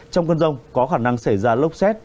trong cơn rông có khả năng xảy ra lốc xét